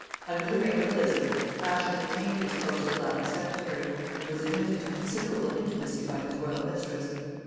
Under the reign of Elizabeth, Ascham retained his post of Latin secretary, and was admitted to considerable intimacy by his royal mistress.